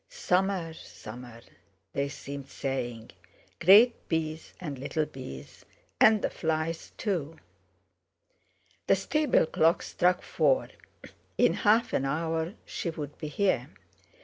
Summer—summer—they seemed saying; great bees and little bees, and the flies too! The stable clock struck four; in half an hour she would be here.